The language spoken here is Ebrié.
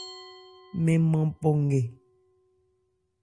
Mɛ́n nman pɔ nkɛ.